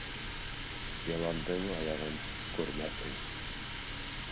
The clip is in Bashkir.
Йыландың аяғын күрмәҫһең.